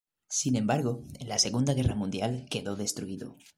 Sin embargo, en la Segunda Guerra Mundial quedó destruido.